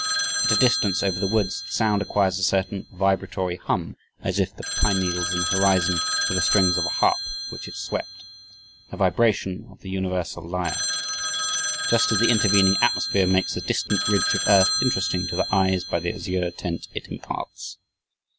"At a distance over the woods the sound acquires a certain vibratory hum as if the pine needles in the horizon were the strings of a harp which it swept... A vibration of the universal lyre... Just as the intervening atmosphere makes a distant ridge of earth interesting to the eyes by the azure tint it imparts."